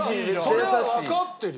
それはわかってるよ。